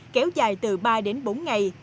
kéo dài từ ba đến bốn ngày